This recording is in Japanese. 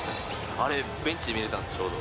あれ、ベンチで見てたんです、ちょうど。